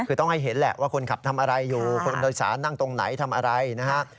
คือต้องให้เห็นแหละว่าคนขับทำอะไรอยู่คนโดยสารนั่งตรงไหนทำอะไรนะฮะ